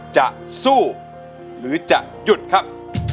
จะสู้หรือจะหยุดครับ